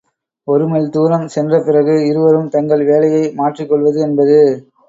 ஒரு மைல் தூரம் சென்ற பிறகு, இருவரும் தங்கள் வேலையை மாற்றிக் கொள்வது என்பது.